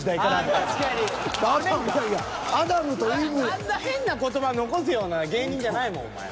あんな変な言葉残すような芸人じゃないもんお前。